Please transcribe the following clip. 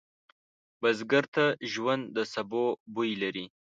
بزګر ته ژوند د سبو بوی لري